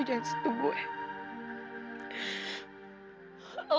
lo jangan setuju bu